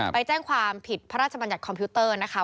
ไปแจ้งความผิดพระราชบัญญัติคอมพิวเตอร์นะคะ